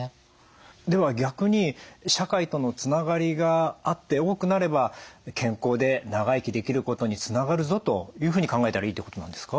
では逆に社会とのつながりがあって多くなれば健康で長生きできることにつながるぞというふうに考えたらいいってことなんですか？